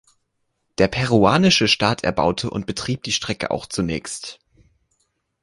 Der Peruanische Staat erbaute und betrieb die Strecke auch zunächst.